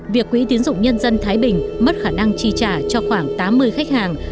việc quỹ tiến dụng nhân dân thái bình mất khả năng chi trả cho khoảng tám mươi khách hàng